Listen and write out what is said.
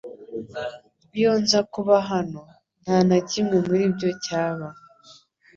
Iyo nza kuba hano, nta na kimwe muri ibyo cyaba.